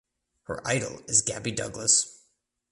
Her idol is Gabby Douglas.